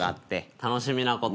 楽しみなこと？